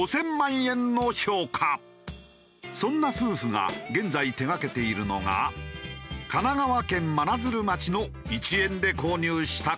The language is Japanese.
そんな夫婦が現在手がけているのが神奈川県真鶴町の１円で購入したこちらの物件。